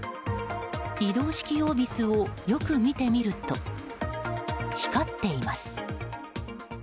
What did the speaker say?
移動式オービスをよく見てみると光っています！